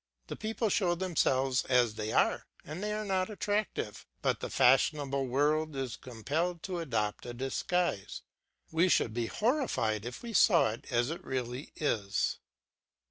The people show themselves as they are, and they are not attractive; but the fashionable world is compelled to adopt a disguise; we should be horrified if we saw it as it really is.